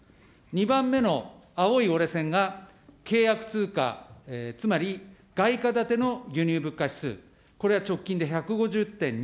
２番目の青い折れ線が契約通貨、つまり外貨建ての輸入物価指数、これは直近で１５０．２です。